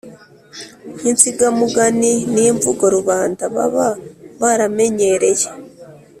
insigamugani ni imvugo rubanda baba baramenyereye